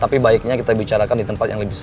tapi baiknya kita bicarakan di tempat yang lebih